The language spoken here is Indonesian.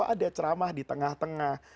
ada ceramah di tengah tengah